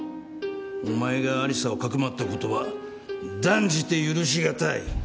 お前が有沙をかくまったことは断じて許しがたい。